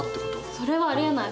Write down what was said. それはありえない。